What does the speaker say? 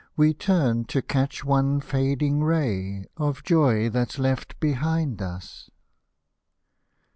We turn to catch one fading ray Of joy that's left behind us.